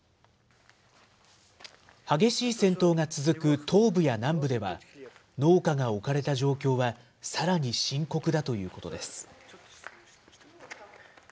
激しい戦闘が続く東部や南部では、農家が置かれた状況はさらに深刻だということです。